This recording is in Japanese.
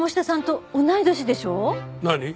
何？